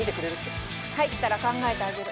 入ったら考えてあげる。